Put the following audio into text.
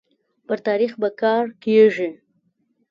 پر تاريخ به کار کيږي